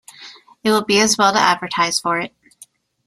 It will be as well to advertise for it.